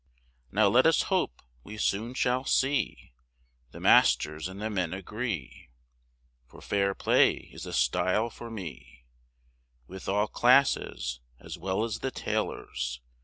Now let us hope we soon shall see, The masters and the men agree, For fair play is the style for me, With all classes, as well as the tailors.